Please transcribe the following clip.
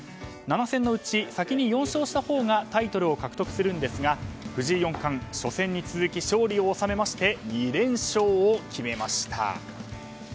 ７戦のうち先に４勝したほうがタイトルを獲得するんですが藤井四冠は初戦に続き勝利を収めまして２連勝を決めました。